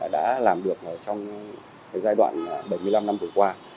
đã làm được trong giai đoạn bảy mươi năm năm vừa qua